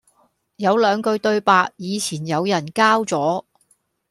有兩句對白以前有人交咗